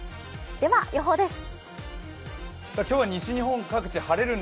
では予報です。